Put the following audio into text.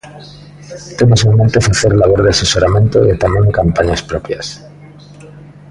Temos en mente facer labor de asesoramento e tamén campañas propias.